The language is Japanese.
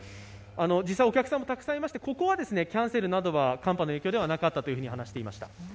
実際お客さんもたくさんいまして、ここはキャンセルなどは寒波の影響ではなかったと話していました。